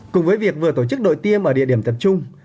cùng với việc vừa tổ chức đội tiêm ở địa điểm tập trung